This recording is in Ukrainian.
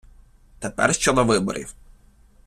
Тепер щодо виборів.